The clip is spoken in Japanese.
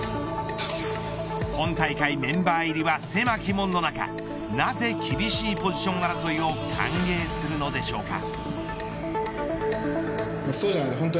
今大会メンバー入りは狭き門の中なぜ厳しいポジション争いを歓迎するのでしょうか。